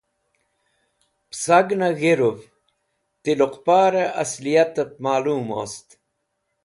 Pẽsagẽna g̃hirũv ti luqparẽ asliatẽb malũm wost.